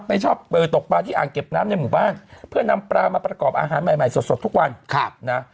ชอบตกปลาที่อ่างเก็บน้ำในหมู่บ้านเพื่อนำปลามาประกอบอาหารใหม่ใหม่สดทุกวันนะ